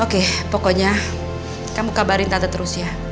oke pokoknya kamu kabarin tata terus ya